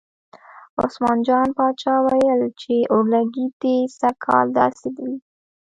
عثمان جان پاچا ویل چې اورلګید دې سږ کال داسې وي.